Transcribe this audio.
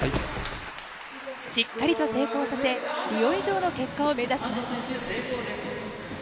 しっかりと成功させ、リオ以上の結果を目指します。